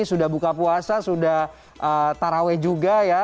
sudah buka puasa sudah taraweh juga ya